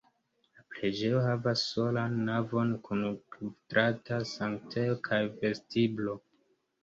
La preĝejo havas solan navon kun kvadrata sanktejo kaj vestiblo.